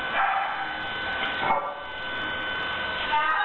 ก็กลัวโรคค่ะ